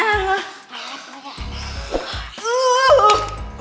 aduh aduh aduh